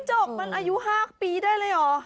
จกมันอายุ๕ปีได้เลยเหรอ